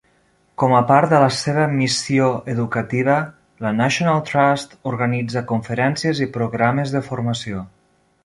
Com a part de la seva missió educativa, la National Trust organitza conferències i programes de formació.